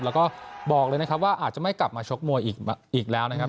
แล้วก็บอกเลยนะครับว่าอาจจะไม่กลับมาชกมวยอีกแล้วนะครับ